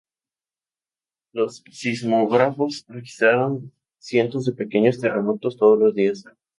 Los sismógrafos registraron cientos de pequeños terremotos todos los días.